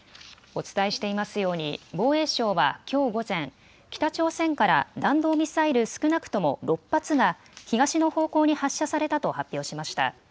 お伝えしていますように防衛省はきょう午前、北朝鮮から弾道ミサイル少なくとも６発が東の方向に発射されたと発表しました。